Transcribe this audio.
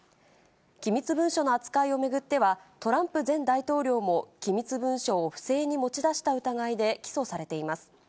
機密文書の扱いを巡っては、トランプ前大統領も機密文書を不正に持ち出した疑いで起訴されています。